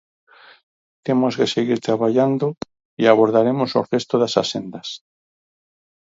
Temos que seguir traballando e abordaremos o resto das axendas.